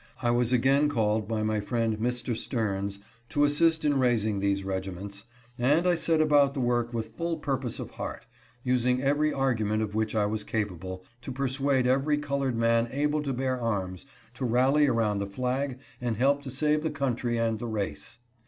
I was again called by my friend Mr. Stearns to assist in raising these regiments, and I set about the work with full purpose of heart, using every argument of which I was capable, to persuade every colored man able to bear arms to rally around the flag and help to save the country and the race.